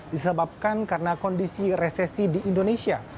disebabkan karena kondisi resesi di indonesia